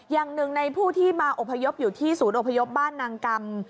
อย่างหนึ่งในผู้ที่มาอพยพอยู่ที่ศูนย์อพยพบ้านนางกรรม